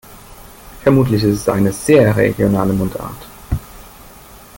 Vermutlich ist es eine sehr regionale Mundart.